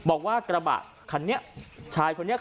ก็แค่มีเรื่องเดียวให้มันพอแค่นี้เถอะ